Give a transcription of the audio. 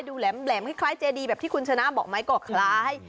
ดูแหลมคล้ายเจดีแบบที่คุณชนะบอกมั้ยกว่าคล้าย